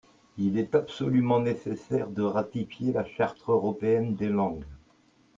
Il est absolument nécessaire de ratifier la Charte européenne des langues.